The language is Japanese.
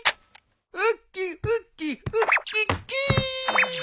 ウッキウッキウッキッキー。